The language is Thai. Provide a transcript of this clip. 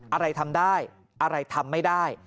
อะไรทำได้อะไรทำไม่ได้